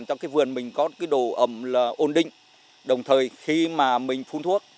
ở cái vườn mình có cái đồ ấm là ồn định đồng thời khi mà mình phun thuốc